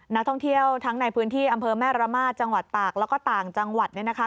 นักท่องเที่ยวทั้งในพื้นที่อำเภอแม่ระมาทจังหวัดตากแล้วก็ต่างจังหวัดเนี่ยนะคะ